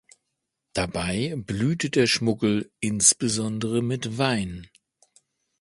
Dabei blühte der Schmuggel, insbesondere mit Wein.